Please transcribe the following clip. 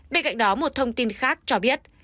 bên cạnh đó một thông tin khác cho biết